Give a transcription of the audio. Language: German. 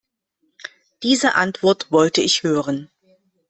Diese Antwort wollte ich hören.